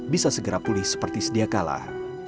bisa segera pulih seperti sedia kalah